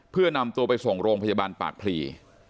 เพื่อนำตัวไปส่งโรงพยาบาลปากพลี